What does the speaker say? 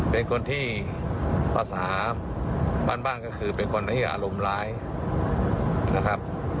เป็นคนที่ภาษาบ้านก็คือเป็นคนที่อารมณ์ร้ายนะครับ